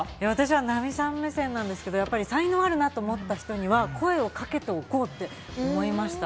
私は奈美さん目線なんですけど、才能あるなと思った人には声をかけておこうと思いました。